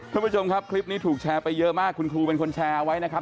ท่านผู้ชมครับคลิปนี้ถูกแชร์ไปเยอะมากคุณครูเป็นคนแชร์เอาไว้นะครับ